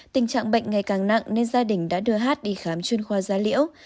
tình trạng bệnh ngày càng nặng nên gia đình đã đưa hát đi khám chuyên khoa gia liễu